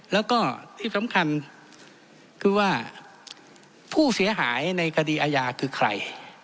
แล้วก็ที่สำคัญคือว่าผู้เสียหายในคดีอาญาคือใคร